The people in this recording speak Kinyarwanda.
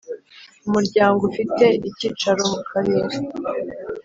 Umuryango ufite icyicaro mu karere